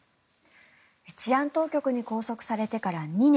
治安当局に拘束されてから２年。